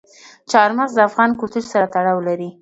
چار مغز د افغان کلتور سره تړاو لري.